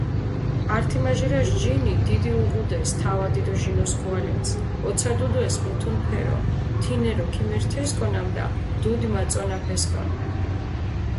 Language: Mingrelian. ართიმაჟირაშ ჯინი დიდი უღუდეს თავადი დო ჟინოსქუალენს, ოცადუდეს მუთუნფერო, თინერო ქიმერთესკო ნამუდა დუდი მაწონაფესკონი.